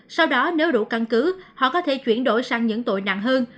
sau đó nếu đủ căn cứ họ có thể chuyển đổi sang những tội nặng hơn